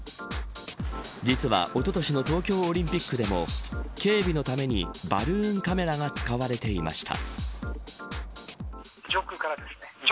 実はおととしの東京オリンピックでも警備のためにバルーンカメラが使われていました。